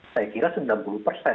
saya kira sembilan puluh persen